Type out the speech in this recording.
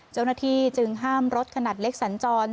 เจ้าหน้าที่จึงห้ามรถขนาดเล็กสัญจร